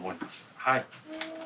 はい。